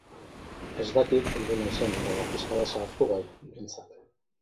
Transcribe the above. Ez dakit heldu naizen, baina pixka bat zahartu bai, behintzat.